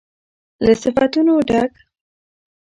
له صفتونو ډک